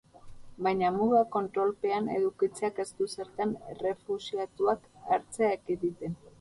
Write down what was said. Baina mugak kontrolpean edukitzeak ez du zertan errefuxiatuak hartzea ekiditen.